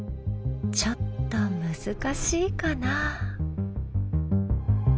ちょっと難しいかな？